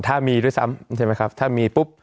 ถ้ามีด้วยซ้ำใช่ไหมครับถ้ามีปุ๊บ